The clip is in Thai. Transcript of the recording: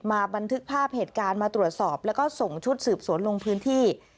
บันทึกภาพเหตุการณ์มาตรวจสอบแล้วก็ส่งชุดสืบสวนลงพื้นที่